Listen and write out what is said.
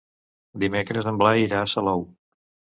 Dimecres en Blai irà a Salou.